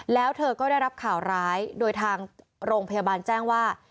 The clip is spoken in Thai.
แล้วเธอก็ได้รับข่าวร้ายโดยทางโรงพยาบาลแจ้งว่า